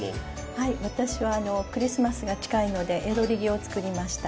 はい私はあのクリスマスが近いので「ヤドリギ」を作りました。